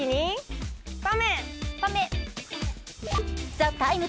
「ＴＨＥＴＩＭＥ，」